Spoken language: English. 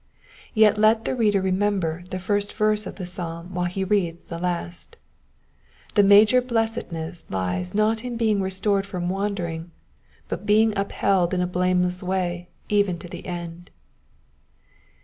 Yet let the reader remember the first verse of the psalm while he reads the last : the major blessedness lies not in being restored from wandering, but in being upheld in a blameless way even to the end.